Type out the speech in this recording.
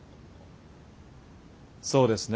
そうですね